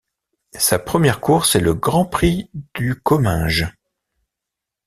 Sa première course est le Grand Prix du Comminges.